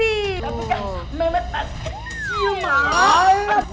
tapi kan mehmet pas kecil mah